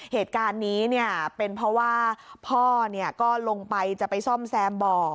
เหตุการณ์นี้เป็นเพราะว่าพ่อก็ลงไปจะไปซ่อมแซมบ่อ